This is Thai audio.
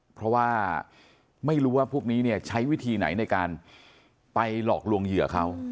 เพราะว่าไม่รู้ว่าพวกนี้เนี่ยใช้วิธีไหนในการไปหลอกลวงเหยื่อเขา